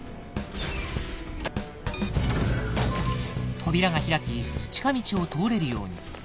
扉が開き近道を通れるように。